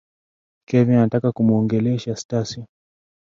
Kevin anataka kumwongelesha Stacey.